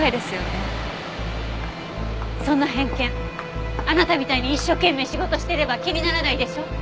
そんな偏見あなたみたいに一生懸命仕事してれば気にならないでしょ？